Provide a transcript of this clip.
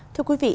thưa quý vị